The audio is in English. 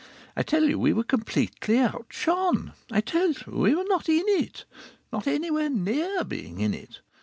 I tell you, we were completely outshone. I tell you, we were not in it, not anywhere near being in it!